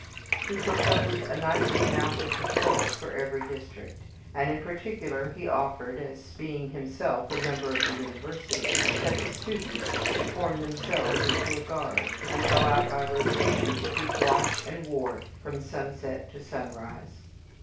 He proposed a nightly mounted patrol for every district. And in particular he offered, as being himself a member of the university, that the students should form themselves into a guard, and go out by rotation to keep watch and ward from sunset to sunrise.